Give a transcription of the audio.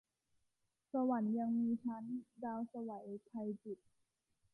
สวรรค์ยังมีชั้น - ดาวไสว ไพจิตร